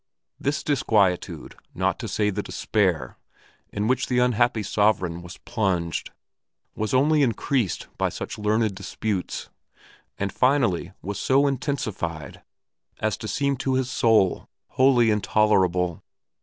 The disquietude, not to say the despair, in which the unhappy sovereign was plunged, was only increased by such learned disputes, and finally was so intensified as to seem to his soul wholly intolerable.